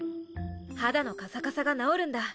肌のカサカサが治るんだ。